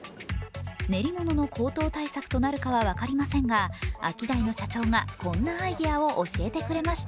練り物の高騰対策となるかは分かりませんがアキダイの社長が、こんなアイデアを教えてくれました。